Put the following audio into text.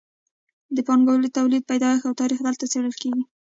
د پانګوالي تولید پیدایښت او تاریخ دلته څیړل کیږي.